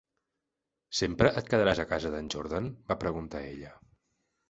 "Sempre et quedaràs a casa de"n Jordan?", va preguntar ella.